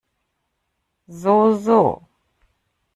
So, so.